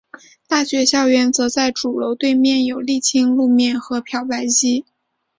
大学校园则在主楼对面有沥青路面和漂白机。